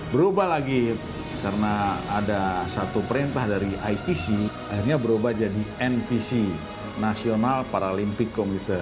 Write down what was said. berubah lagi karena ada satu perintah dari itc akhirnya berubah jadi npc national paralimpik komite